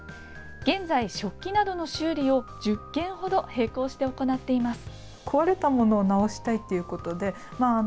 現在、食器などの修理を１０件ほど並行して行っています。